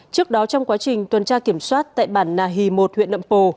trước đó trong quá trình tuần tra kiểm soát tại bản nà hì một huyện nậm pồ